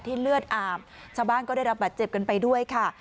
เลือดอาบชาวบ้านก็ได้รับบาดเจ็บกันไปด้วยค่ะ